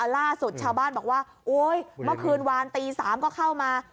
ล่าสุดชาวบ้านบอกว่าโอ๊ยเมื่อคืนวานตี๓ก็เข้ามา